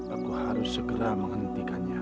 aku harus segera menghentikannya